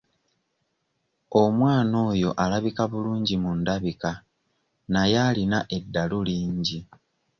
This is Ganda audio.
Omwana oyo alabika bulungi mu ndabika naye alina eddalu lingi.